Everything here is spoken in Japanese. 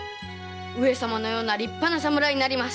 上様のような立派な侍になります。